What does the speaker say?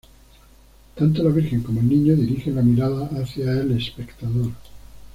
Tanto la Virgen como el Niño dirigen la mirada hacia el espectador.